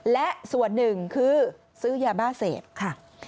และส่วนหนึ่งคือซื้อยาบ้าเสพค่ะ